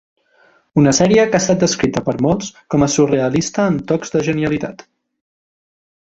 Una sèrie que ha estat descrita per molts com a "surrealista amb tocs de genialitat".